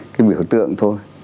cái biểu tượng thôi